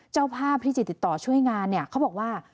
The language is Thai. เจ้าภาพที่จิตต่อช่วยงานเขาบอกว่า